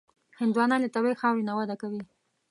هندوانه له طبیعي خاورې نه وده کوي.